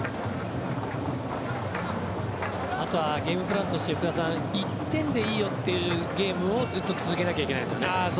ゲームプランとして福田さん１点でいいよというゲームをずっと続けなきゃいけないですよね。